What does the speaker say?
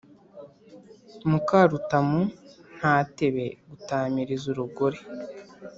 Mukarutamu ntatebe gutamiriza urugore